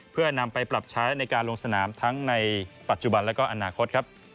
เพื่อนำไปปรับใช้ในการลงสนามทั้งในปัจจุบันและก็อนาคตครับ